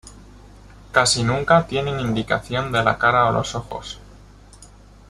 Casi nunca tienen indicación de la cara o los ojos.